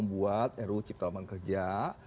membuat ru cipta laman kerja